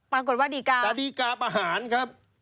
ปรากฏว่าดีกาแต่ดีการประหารครับ